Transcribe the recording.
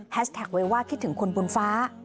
แท็กไว้ว่าคิดถึงคนบนฟ้า